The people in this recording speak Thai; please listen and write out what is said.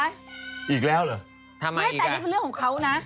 อีกแล้วเหรอทำไมอีกแล้วไม่แต่นี่คือเรื่องของเขานะ